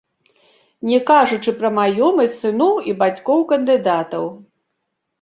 Не кажучы пра маёмасць сыноў і бацькоў кандыдатаў.